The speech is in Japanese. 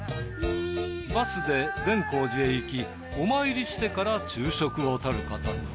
バスで善光寺へ行きお参りしてから昼食をとることに。